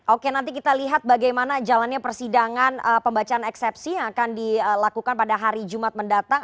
oke nanti kita lihat bagaimana jalannya persidangan pembacaan eksepsi yang akan dilakukan pada hari jumat mendatang